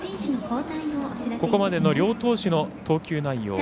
ここまでの両投手の投球内容。